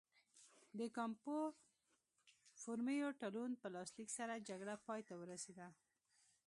د کامپو فورمیو تړون په لاسلیک سره جګړه پای ته ورسېده.